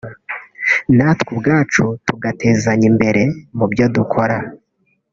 natwe ubwacu tugatezanya imbere mubyo dukora